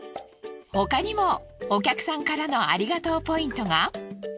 他にもお客さんからのありがとうポイントが。